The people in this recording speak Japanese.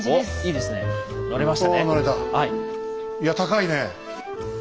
いや高いね。